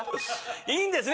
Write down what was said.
いいんですね？